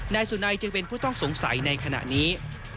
นายสุนัยจึงเป็นผู้ต้องสงสัยในขณะนี้